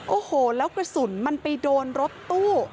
โอ้โหแล้วกระสุนมันไปโดนรถตู้